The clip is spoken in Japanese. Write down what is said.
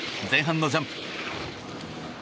前半のジャンプ。